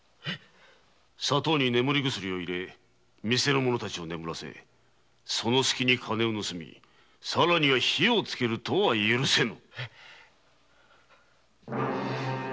砂糖に眠り薬を入れ店の者たちを眠らせその隙に金を盗みさらには火を付けるとは許せぬ！